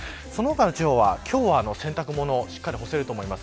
その他の地方は今日は洗濯物しっかり干せると思います。